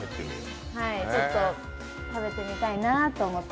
ちょっと食べてみたいなって思って。